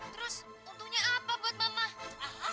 terus untungnya apa buat mama